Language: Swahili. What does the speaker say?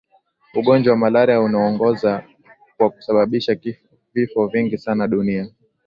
ugonjwa wa malaria unaoongoza kwa kusababisha vifo vingi sana dunia